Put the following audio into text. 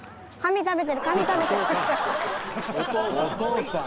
「お父さん！